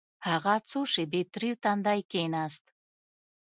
هغه څو شېبې تريو تندى کښېناست.